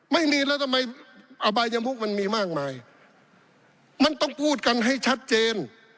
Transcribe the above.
ไม่มีแล้วทำไมอบายจำคุกมันมีมากมายมันต้องพูดกันให้ชัดเจน